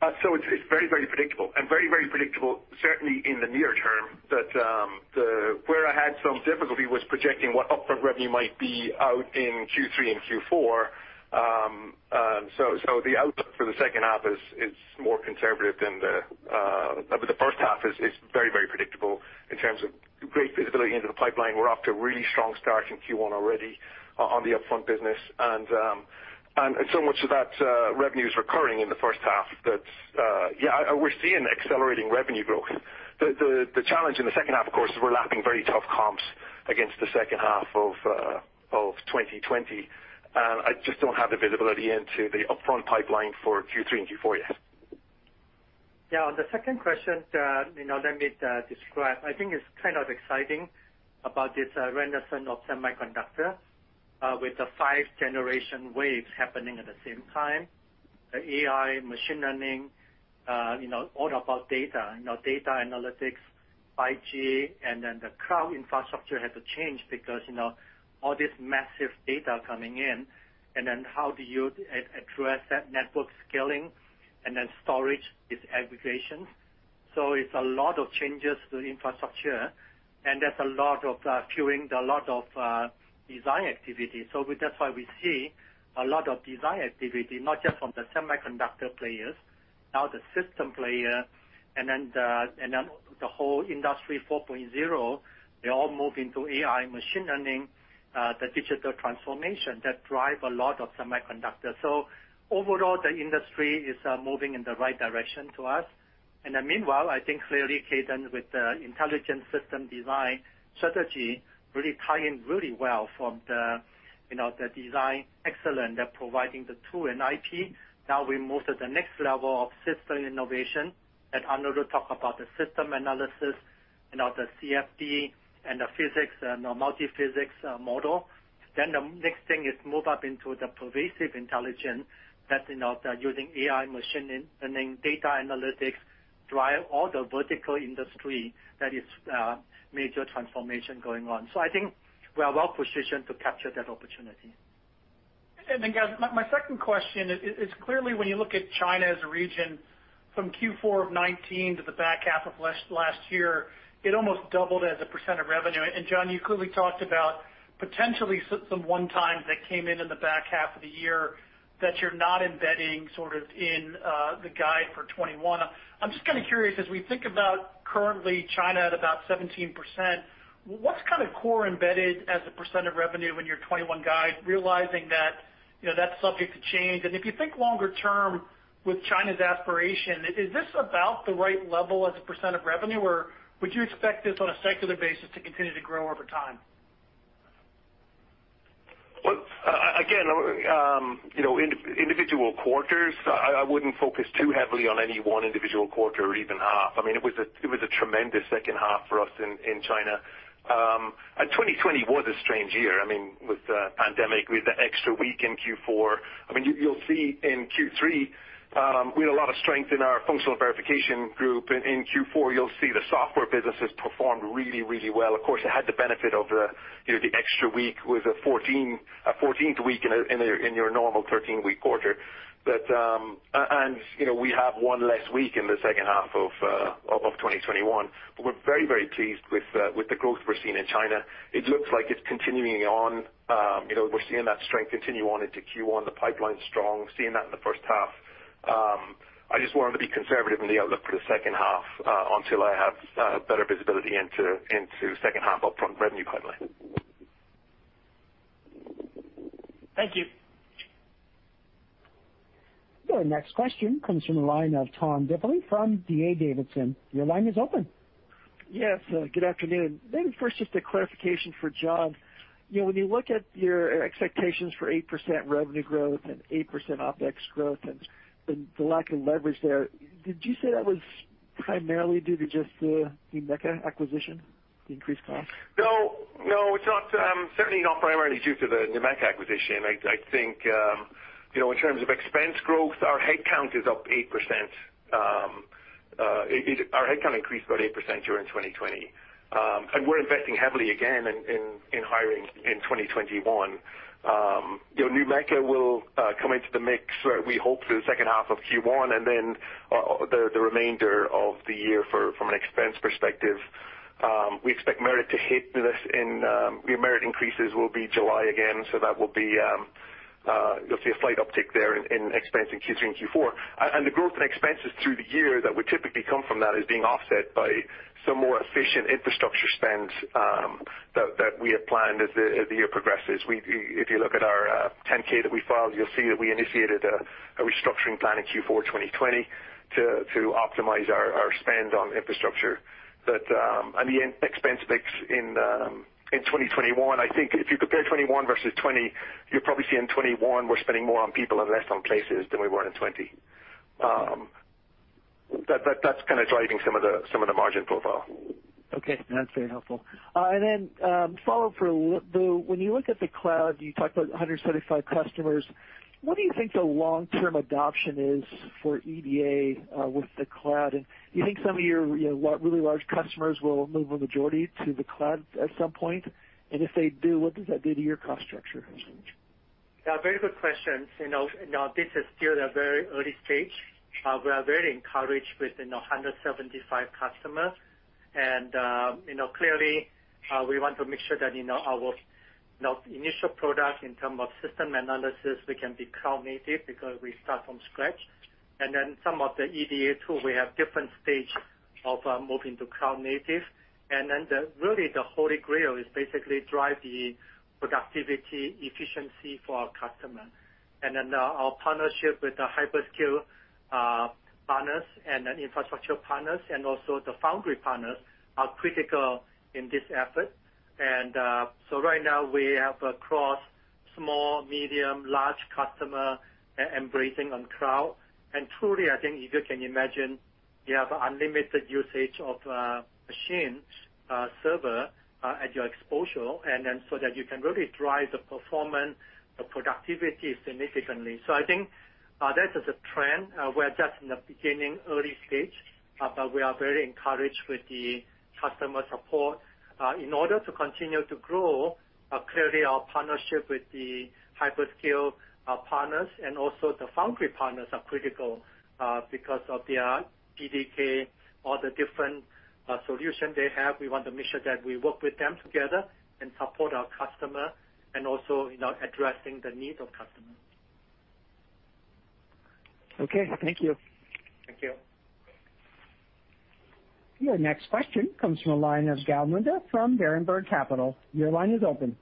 It's very predictable, and very predictable certainly in the near term. Where I had some difficulty was projecting what upfront revenue might be out in Q3 and Q4. The outlook for the second half is more conservative than... But the first half is very predictable in terms of great visibility into the pipeline. We're off to a really strong start in Q1 already on the upfront business. So much of that revenue is recurring in the first half that, yeah, we're seeing accelerating revenue growth. The challenge in the second half, of course, is we're lapping very tough comps against the second half of 2020. I just don't have the visibility into the upfront pipeline for Q3 and Q4 yet. Yeah, on the second question, let me describe. I think it's kind of exciting about this renaissance of semiconductor, with the five generation waves happening at the same time. The AI, machine learning, all about data. Data analytics, 5G, and then the cloud infrastructure had to change because all this massive data coming in, and then how do you address that network scaling and then storage disaggregation. It's a lot of changes to the infrastructure, and there's a lot of design activity. That's why we see a lot of design activity, not just from the semiconductor players, now the system player, and then the whole Industry 4.0, they all move into AI, machine learning, the digital transformation that drive a lot of semiconductors. Overall, the industry is moving in the right direction to us. Meanwhile, I think clearly Cadence with the intelligent system design strategy really tie in really well from the design excellence they're providing the tool and IP. Now we move to the next level of system innovation, and Anirudh will talk about the system analysis and of the CFD and the physics and the multi-physics model. The next thing is move up into the pervasive intelligence that's using AI, machine learning, data analytics, drive all the vertical industry that is major transformation going on. I think we are well-positioned to capture that opportunity. Guys, my second question is clearly when you look at China as a region from Q4 of 2019 to the back half of last year, it almost doubled as a percent of revenue. John, you clearly talked about potentially some one-times that came in in the back half of the year that you're not embedding sort of in the guide for 2021. I'm just kind of curious, as we think about currently China at about 17%, what's kind of core embedded as a percent of revenue in your 2021 guide, realizing that's subject to change. If you think longer term with China's aspiration, is this about the right level as a percent of revenue, or would you expect this on a secular basis to continue to grow over time? Well, again, individual quarters, I wouldn't focus too heavily on any one individual quarter or even half. It was a tremendous second half for us in China. 2020 was a strange year, with the pandemic, with the extra week in Q4. You'll see in Q3, we had a lot of strength in our functional verification group. In Q4, you'll see the software businesses performed really well. Of course, it had the benefit of the extra week with a 14th week in your normal 13-week quarter. We have one less week in the second half of 2021. We're very pleased with the growth we're seeing in China. It looks like it's continuing on. We're seeing that strength continue on into Q1. The pipeline's strong, seeing that in the first half. I just wanted to be conservative in the outlook for the second half until I have better visibility into second half upfront revenue pipeline. Thank you. Your next question comes from the line of Tom Diffely from D.A. Davidson. Your line is open. Yes, good afternoon. First, just a clarification for John. When you look at your expectations for 8% revenue growth and 8% OpEx growth and the lack of leverage there, did you say that was primarily due to just the NUMECA acquisition, the increased cost? No, it's certainly not primarily due to the NUMECA acquisition. I think, in terms of expense growth, our headcount is up 8%. Our headcount increased about 8% during 2020. We're investing heavily again in hiring in 2021. NUMECA will come into the mix, we hope the second half of Q1 and then the remainder of the year from an expense perspective. We expect the merit increases will be July again. You'll see a slight uptick there in expense in Q3 and Q4. The growth in expenses through the year that would typically come from that is being offset by some more efficient infrastructure spend that we have planned as the year progresses. If you look at our 10-K that we filed, you'll see that we initiated a restructuring plan in Q4 2020 to optimize our spend on infrastructure. The expense mix in 2021, I think if you compare 2021 versus 2020, you'll probably see in 2021, we're spending more on people and less on places than we were in 2020. That's driving some of the margin profile. Okay. That's very helpful. Then follow-up for Lip-Bu. When you look at the cloud, you talked about 175 customers. What do you think the long-term adoption is for EDA with the cloud, and do you think some of your really large customers will move a majority to the cloud at some point? If they do, what does that do to your cost structure? Very good questions. This is still at a very early stage. We are very encouraged with 175 customers. Clearly, we want to make sure that our initial product in terms of system analysis, we can be cloud-native because we start from scratch. Some of the EDA tools, we have different stages of moving to cloud native. Really the holy grail is basically drive the productivity efficiency for our customer. Our partnership with the hyperscale partners and then infrastructure partners and also the foundry partners are critical in this effort. Right now we have across small, medium, large customer embracing on cloud. Truly, I think if you can imagine, you have unlimited usage of machine server at your disposal, and then so that you can really drive the performance, the productivity significantly. I think, that is a trend. We're just in the beginning, early stage, but we are very encouraged with the customer support. In order to continue to grow, clearly our partnership with the hyperscale partners and also the foundry partners are critical, because of their PDK, all the different solutions they have. We want to make sure that we work with them together and support our customer and also addressing the needs of customers. Okay. Thank you. Thank you. Your next question comes from the line of Gal Munda from Berenberg Capital. Your line is open.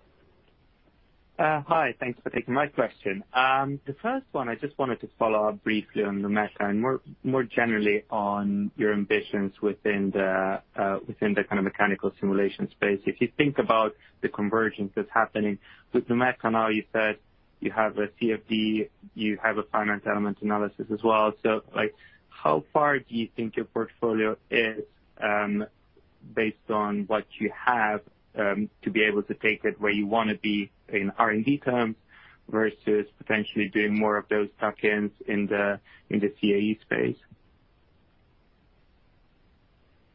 Hi. Thanks for taking my question. The first one, I just wanted to follow up briefly on NUMECA and more generally on your ambitions within the kind of mechanical simulation space. If you think about the convergence that's happening with NUMECA now, you said you have a CFD, you have a finite element analysis as well. How far do you think your portfolio is, based on what you have, to be able to take it where you want to be in R&D terms versus potentially doing more of those tuck-ins in the CAE space?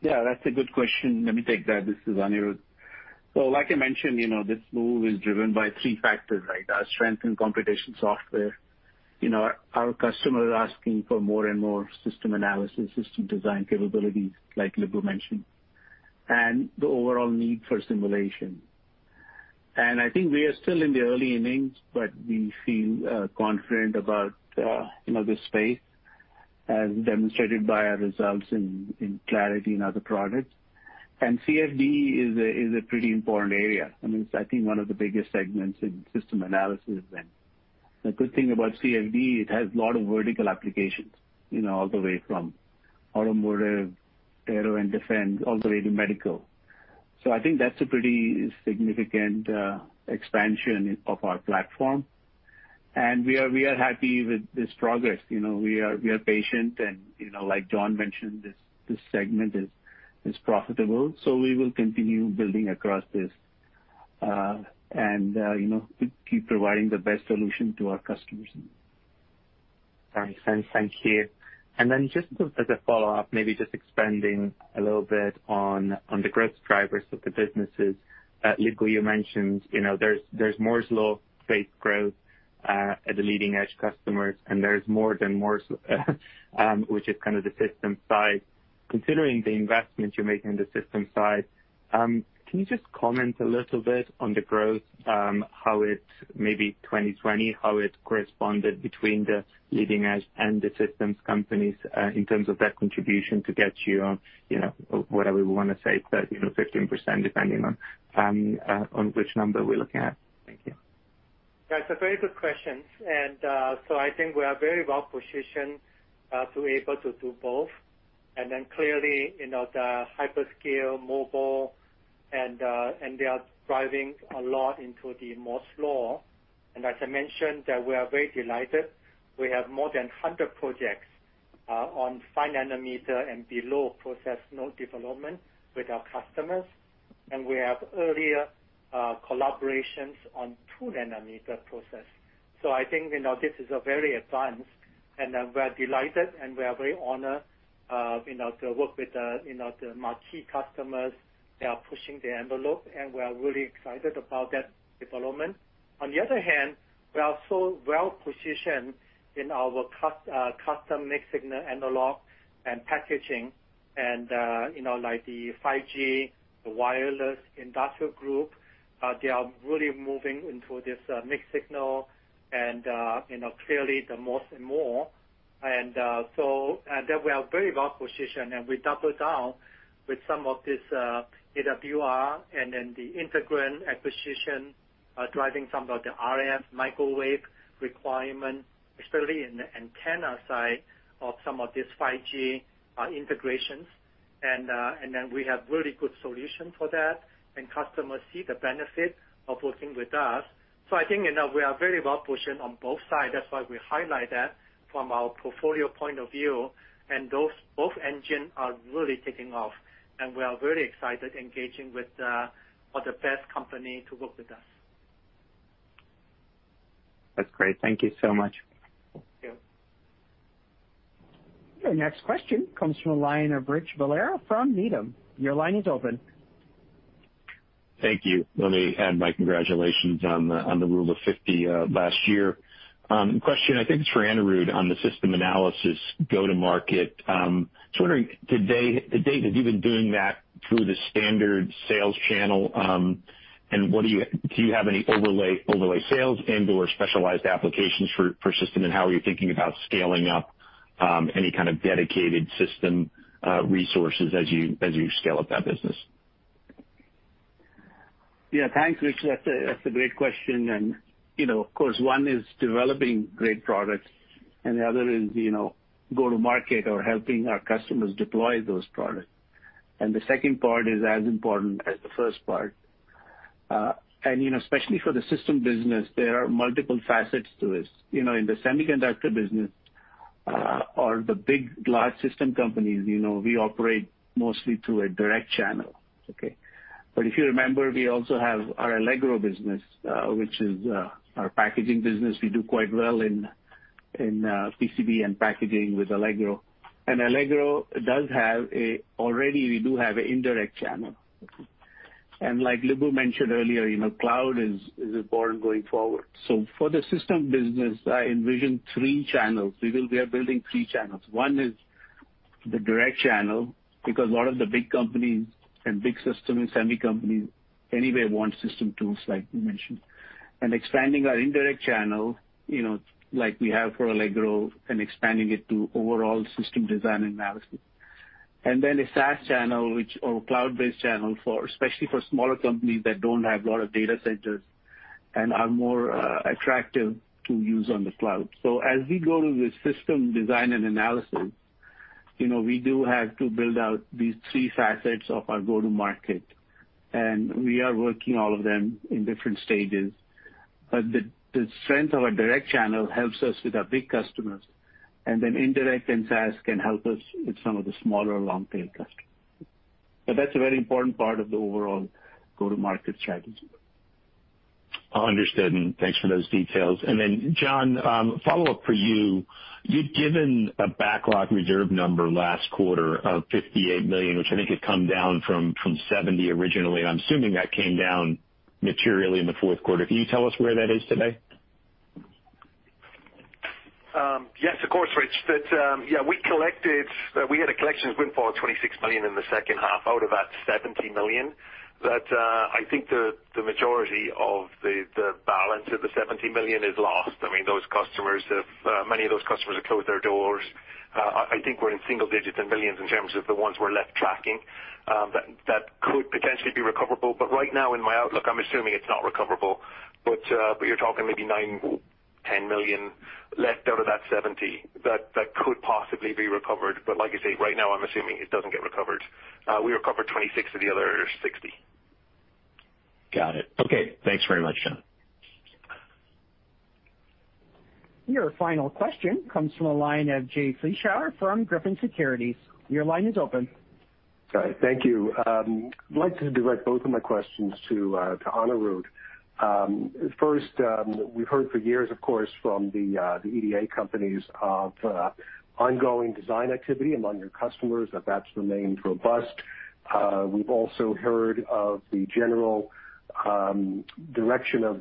Yeah, that's a good question. Let me take that. This is Anirudh. Like I mentioned, this move is driven by three factors, right? Our strength in computation software. Our customers are asking for more and more system analysis, system design capabilities like Lip-Bu mentioned, and the overall need for simulation. I think we are still in the early innings, but we feel confident about this space, as demonstrated by our results in Clarity and other products. CFD is a pretty important area, and it's I think one of the biggest segments in system analysis. The good thing about CFD, it has a lot of vertical applications, all the way from automotive, aero and defense, all the way to medical. I think that's a pretty significant expansion of our platform. We are happy with this progress. We are patient and, like John mentioned, this segment is profitable. We will continue building across this, and keep providing the best solution to our customers. Thanks. Thank you. Just as a follow-up, maybe just expanding a little bit on the growth drivers of the businesses. Lip-Bu, you mentioned there's Moore's Law pace growth, at the leading-edge customers, and there's more than Moore's Law which is kind of the system side. Considering the investment you're making in the system side, can you just comment a little bit on the growth, maybe 2020, how it corresponded between the leading edge and the systems companies, in terms of that contribution to get you on whatever we want to say, 30% or 15%, depending on which number we're looking at. Thank you. I think we are very well-positioned to able to do both. Clearly, the hyperscale mobile and they are driving a lot into the Moore's Law. As I mentioned that we are very delighted. We have more than 100 projects on five nanometer and below process node development with our customers, and we have earlier collaborations on two nanometer process. I think this is a very advanced, and we are delighted, and we are very honored to work with the marquee customers. They are pushing the envelope, and we are really excited about that development. On the other hand, we are so well positioned in our custom mixed signal analog and packaging and like the 5G, the wireless industrial group, they are really moving into this mixed signal and clearly the Moore's and more. There we are very well-positioned, and we double down with some of this AWR and then the Integrand acquisition, driving some of the RF microwave requirement, especially in the antenna side of some of these 5G integrations. We have really good solution for that, and customers see the benefit of working with us. I think we are very well-positioned on both sides. That's why we highlight that from our portfolio point of view, and both engines are really taking off, and we are very excited engaging with all the best companies to work with us. That's great. Thank you so much. Thank you. Your next question comes from the line of Rich Valera from Needham. Your line is open. Thank you. Let me add my congratulations on the Rule of 50 last year. Question, I think it's for Anirudh on the system analysis go-to-market. Just wondering, to date, have you been doing that through the standard sales channel? Do you have any overlay sales and/or specialized applications for system, and how are you thinking about scaling up any kind of dedicated system resources as you scale up that business? Yeah, thanks, Rich. That's a great question. Of course, one is developing great products and the other is go-to-market or helping our customers deploy those products. The second part is as important as the first part. Especially for the system business, there are multiple facets to this. In the semiconductor business or the big, large system companies, we operate mostly through a direct channel. Okay. If you remember, we also have our Allegro business, which is our packaging business. We do quite well in PCB and packaging with Allegro. Allegro, already we do have an indirect channel. Like Lip-Bu mentioned earlier, cloud is important going forward. For the system business, I envision three channels. We are building three channels. One is the direct channel, because a lot of the big companies and big systems, semi companies, anyway want system tools, like we mentioned. Expanding our indirect channel, like we have for Allegro, and expanding it to overall system design and analysis. Then a SaaS channel or cloud-based channel, especially for smaller companies that don't have a lot of data centers and are more attractive to use on the cloud. As we go to the system design and analysis, we do have to build out these three facets of our go-to-market, and we are working all of them in different stages. The strength of our direct channel helps us with our big customers, and then indirect and SaaS can help us with some of the smaller long-tail customers. That's a very important part of the overall go-to-market strategy. Understood. Thanks for those details. John, follow-up for you. You'd given a backlog reserve number last quarter of $58 million, which I think had come down from $70 million originally. I'm assuming that came down materially in the fourth quarter. Can you tell us where that is today? Yes, of course, Rich. We had a collections win for $26 million in the second half out of that $70 million. I think the majority of the balance of the $70 million is lost. I mean, many of those customers have closed their doors. I think we're in single digits and millions in terms of the ones we're left tracking that could potentially be recoverable. Right now, in my outlook, I'm assuming it's not recoverable. You're talking maybe $9 million, $10 million left out of that $70 million that could possibly be recovered. Like I say, right now, I'm assuming it doesn't get recovered. We recovered $26 million of the other $60 million. Got it. Okay. Thanks very much, John. Your final question comes from the line of Jay Vleeschhouwer from Griffin Securities. Your line is open. All right. Thank you. I'd like to direct both of my questions to Anirudh. First, we've heard for years, of course, from the EDA companies of ongoing design activity among your customers, that's remained robust. We've also heard of the general direction of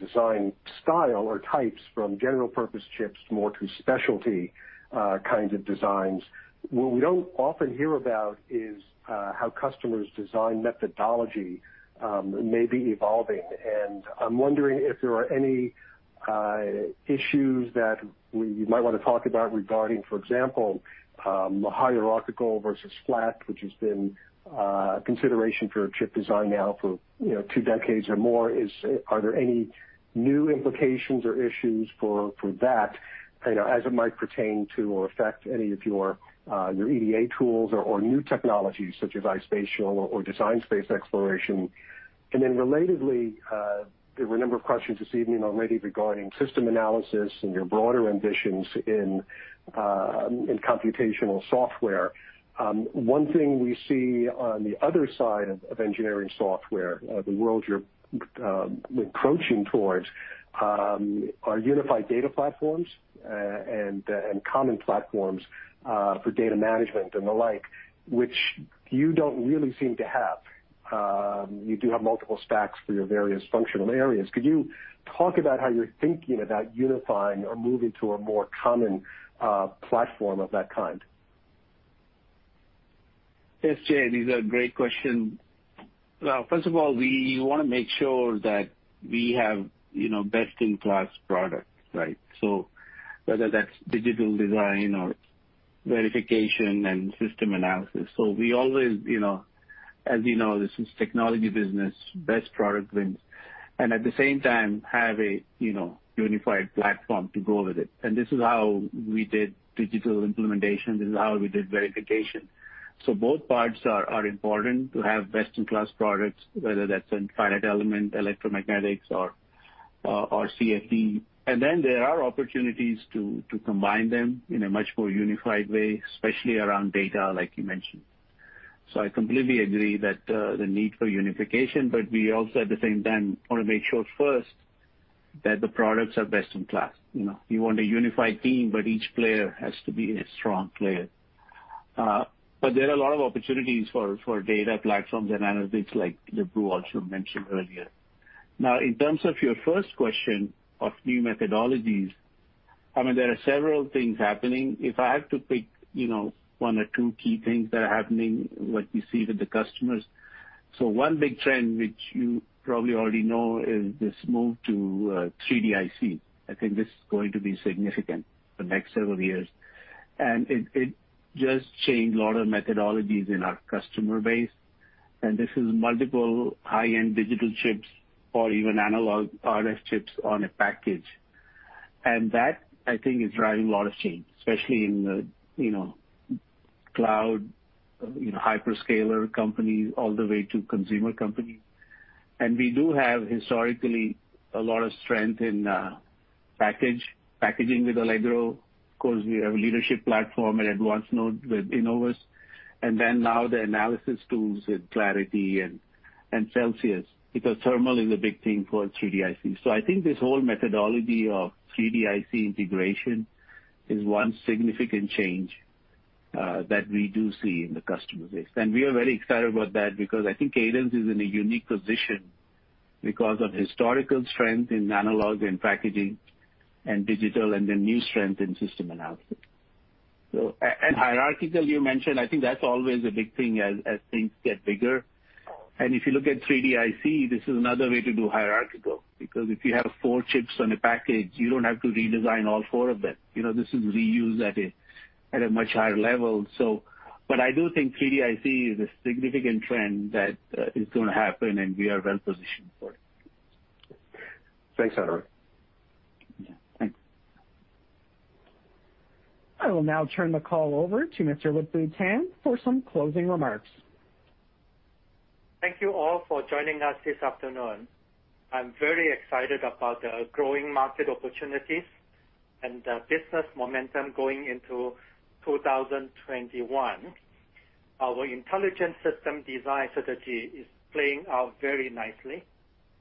design style or types from general purpose chips more to specialty kinds of designs. What we don't often hear about is how customers' design methodology may be evolving. I'm wondering if there are any issues that you might want to talk about regarding, for example, hierarchical versus flat, which has been a consideration for chip design now for two decades or more. Are there any new implications or issues for that as it might pertain to or affect any of your EDA tools or new technologies such as iSpatial or Design Space Exploration? Relatedly, there were a number of questions this evening already regarding system analysis and your broader ambitions in computational software. One thing we see on the other side of engineering software, the world you're encroaching towards, are unified data platforms and common platforms for data management and the like, which you don't really seem to have. You do have multiple stacks for your various functional areas. Could you talk about how you're thinking about unifying or moving to a more common platform of that kind? Yes, Jay, these are great questions. First of all, we want to make sure that we have best-in-class products, right? Whether that's digital design or verification and system analysis. As we know, this is technology business, best product wins, and at the same time have a unified platform to go with it. This is how we did digital implementation. This is how we did verification. Both parts are important to have best-in-class products, whether that's in finite element electromagnetics or CFD. There are opportunities to combine them in a much more unified way, especially around data, like you mentioned. I completely agree that the need for unification, but we also, at the same time, want to make sure first that the products are best in class. You want a unified team, but each player has to be a strong player. There are a lot of opportunities for data platforms and analytics, like Lip-Bu also mentioned earlier. In terms of your first question of new methodologies, there are several things happening. If I have to pick one or two key things that are happening, what we see with the customers. One big trend, which you probably already know, is this move to 3D IC. I think this is going to be significant the next several years, and it just changed a lot of methodologies in our customer base, and this is multiple high-end digital chips or even analog RF chips on a package. That, I think, is driving a lot of change, especially in the cloud, hyperscaler companies, all the way to consumer companies. We do have historically a lot of strength in packaging with Allegro because we have a leadership platform and advanced node with Innovus, and then now the analysis tools with Clarity and Celsius, because thermal is a big thing for 3D IC. I think this whole methodology of 3D IC integration is one significant change that we do see in the customer base. We are very excited about that because I think Cadence is in a unique position because of historical strength in analog and packaging, and digital, and then new strength in system analysis. Hierarchical, you mentioned, I think that's always a big thing as things get bigger. If you look at 3D IC, this is another way to do hierarchical because if you have four chips on a package, you don't have to redesign all four of them. This is reused at a much higher level. I do think 3D IC is a significant trend that is going to happen, and we are well positioned for it. Thanks, Anirudh. Yeah. Thanks. I will now turn the call over to Mr. Lip-Bu Tan for some closing remarks. Thank you all for joining us this afternoon. I'm very excited about the growing market opportunities and the business momentum going into 2021. Our intelligent system design strategy is playing out very nicely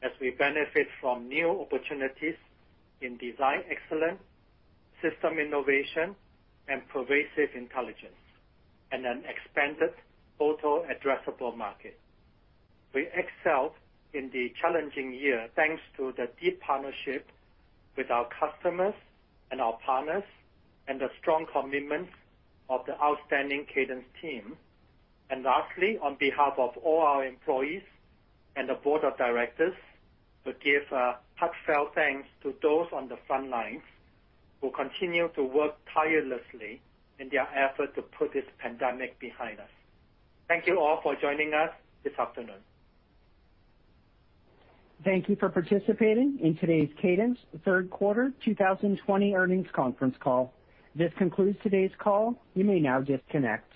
as we benefit from new opportunities in design excellence, system innovation, and pervasive intelligence, and an expanded total addressable market. We excelled in the challenging year, thanks to the deep partnership with our customers and our partners, and the strong commitment of the outstanding Cadence team. Lastly, on behalf of all our employees and the board of directors, we give a heartfelt thanks to those on the front lines who continue to work tirelessly in their effort to put this pandemic behind us. Thank you all for joining us this afternoon. Thank you for participating in today's Cadence fourth quarter 2020 earnings conference call. This concludes today's call. You may now disconnect.